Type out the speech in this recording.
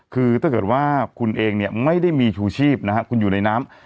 คือถ้าเกิดว่าคุณเองเนี่ยไม่ได้มีชูชีพนะฮะคุณอยู่ในน้ำ